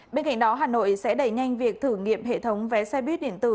bên cạnh đó hà nội sẽ đẩy nhanh việc thử nghiệm hệ thống vé xe buýt điện tử